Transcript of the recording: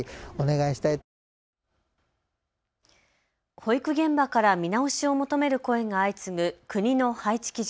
保育現場から見直しを求める声が相次ぐ国の配置基準。